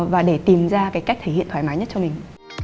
và để tìm ra cái cách thể hiện thoải mái nhất cho mình